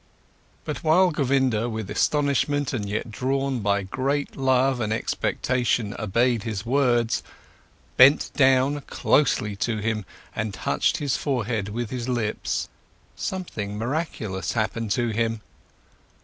But while Govinda with astonishment, and yet drawn by great love and expectation, obeyed his words, bent down closely to him and touched his forehead with his lips, something miraculous happened to him.